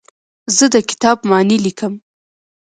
زه د کتاب معنی لیکم.